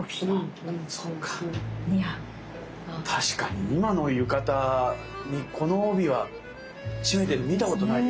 確かに今の浴衣にこの帯は締めてるの見たことないですね。